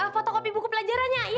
foto kopi buku pelajarannya iya